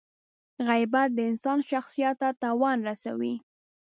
• غیبت د انسان شخصیت ته تاوان رسوي.